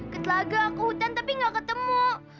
ketelaga ke hutan tapi gak ketemu